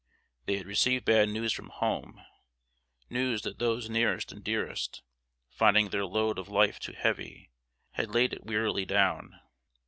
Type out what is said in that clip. They had received bad news from home news that those nearest and dearest, finding their load of life too heavy, had laid it wearily down.